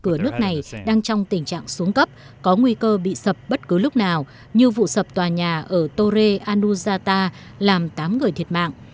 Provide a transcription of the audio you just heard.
cửa nước này đang trong tình trạng xuống cấp có nguy cơ bị sập bất cứ lúc nào như vụ sập tòa nhà ở tore anusata làm tám người thiệt mạng